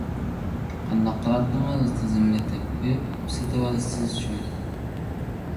قانداق قىلاتتىڭىز؟ تىزىملىتىپ قويۇپ سېتىۋالىسىز شۇ.